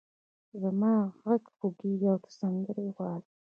زما غږ خوږېږې او ته سندرې غواړې!